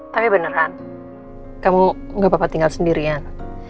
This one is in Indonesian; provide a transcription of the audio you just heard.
tapi beneran kamu gak apa apa tinggal sendirian